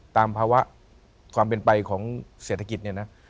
ตามภาวะความเป็นไปของเศรษฐกิจเนี่ยนะ